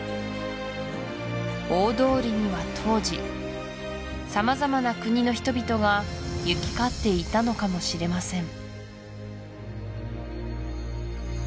大通りには当時様々な国の人々が行き交っていたのかもしれません